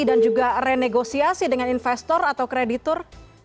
dan juga renegosiasi dengan investor atau kreditur